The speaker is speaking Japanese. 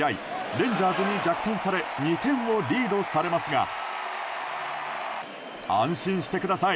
レンジャーズに逆転され２点をリードされますが安心してください